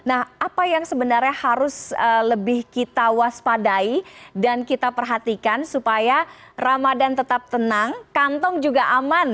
nah apa yang sebenarnya harus lebih kita waspadai dan kita perhatikan supaya ramadhan tetap tenang kantong juga aman